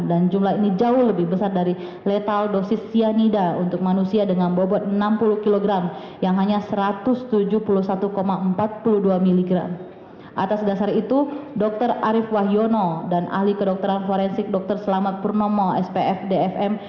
atas dasar itu dokter arief wahyono dan ahli kedokteran forensik dokter selamat purnomo spf dfm